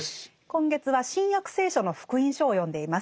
今月は「新約聖書」の「福音書」を読んでいます。